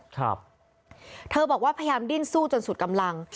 ครับเธอบอกว่าพยายามดิ้นสู้จนสุดกำลัง